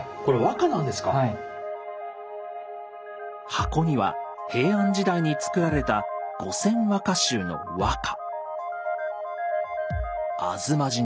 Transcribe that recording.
箱には平安時代に作られた「後撰和歌集」の和歌。